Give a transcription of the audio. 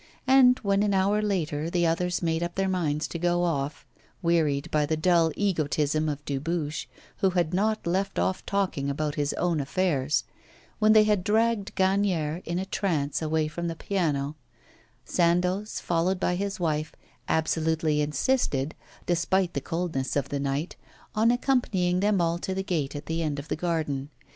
And when, an hour later, the others made up their minds to go off, wearied by the dull egotism of Dubuche, who had not left off talking about his own affairs; when they had dragged Gagnière, in a trance, away from the piano, Sandoz, followed by his wife, absolutely insisted, despite the coldness of the night, on accompanying them all to the gate at the end of the garden.